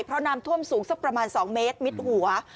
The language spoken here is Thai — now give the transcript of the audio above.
เพราะน้ำท่วมสูงสักประมาณ๒เมตรมิดหัว